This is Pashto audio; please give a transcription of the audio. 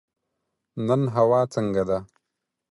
نن هوا څنګه ده؟